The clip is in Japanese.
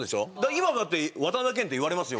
今もだって渡辺謙って言われますよ